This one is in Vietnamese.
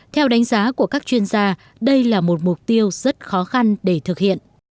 theo đánh giá của các chuyên gia đây là một mục tiêu rất khó khăn để thực hiện